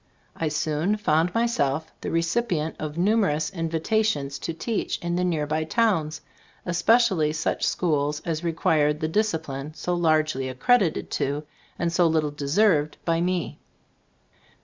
I soon found myself the recipient of numerous invitations to teach in the nearby towns, especially such schools as required the "discipline" so largely accredited to, and so little deserved, by me.